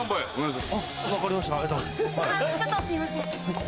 ちょっとすいません。